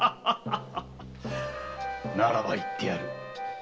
ならば言ってやる。